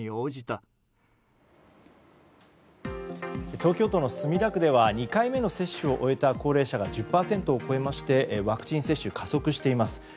東京都の墨田区では２回目の接種を終えた高齢者が１０％を超えましてワクチン接種が加速しています。